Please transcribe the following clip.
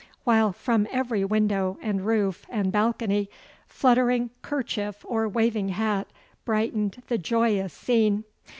while from every window, and roof, and balcony fluttering kerchief or waving hat brightened the joyous scene.